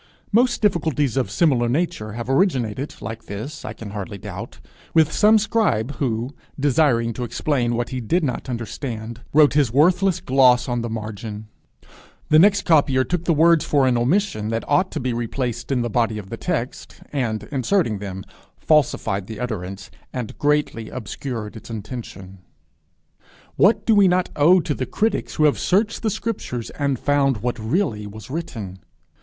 Most difficulties of similar nature have originated, like this, I can hardly doubt, with some scribe who, desiring to explain what he did not understand, wrote his worthless gloss on the margin: the next copier took the words for an omission that ought to be replaced in the body of the text, and inserting them, falsified the utterance, and greatly obscured its intention. What do we not owe to the critics who have searched the scriptures, and found what really was written!